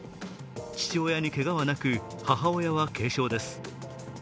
父親にけがはなく、母親は軽傷です